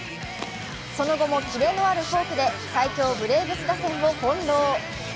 その後もキレのあるフォークで最強ブレーブス打線を翻弄。